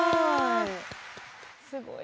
すごい。